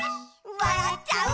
「わらっちゃう」